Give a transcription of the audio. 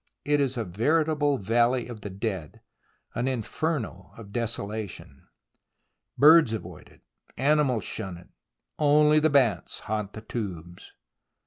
It is a veritable valley of the dead, an inferno of desolation. Birds avoid it, animals shun it, only the bats haunt the tombs.